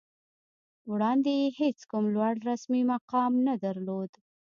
وړاندې یې هېڅ کوم لوړ رسمي مقام نه درلود